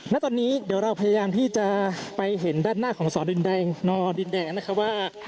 ณตอนนี้เดี๋ยวเราพยายามที่จะไปเห็นด้านหน้าของสอดินแดงนดินแดงนะครับว่า